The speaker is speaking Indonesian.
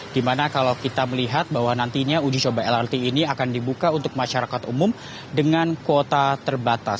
dimana kalau kita melihat bahwa nantinya uji coba lrt ini akan dibuka untuk masyarakat umum dengan kuota terbatas